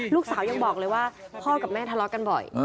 ลูกสาวยังบอกเลยว่าพ่อกับแม่ทะเลาะกันบ่อย